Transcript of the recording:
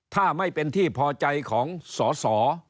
ถ้าไม่เป็นที่พอใจของสอสอ